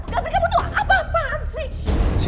gavin kamu tuh apa apaan sih